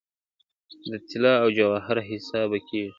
د طلا او جواهر حساب به کیږي `